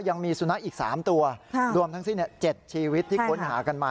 ยังมีสุนัขอีก๓ตัวรวมทั้งสิ้น๗ชีวิตที่ค้นหากันมา